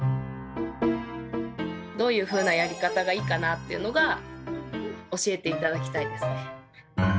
どういうふうなやり方がいいかなっていうのが教えて頂きたいですね。